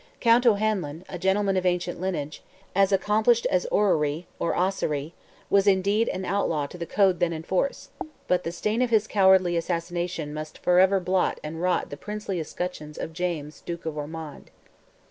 Count O'Hanlon, a gentleman of ancient lineage, as accomplished as Orrery, or Ossory, was indeed an outlaw to the code then in force; but the stain of his cowardly assassination must for ever blot and rot the princely escutcheon of James, Duke of Ormond.